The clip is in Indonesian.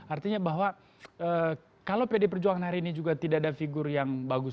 artinya bahwa kalau pd perjuangan hari ini juga tidak ada figur yang bagus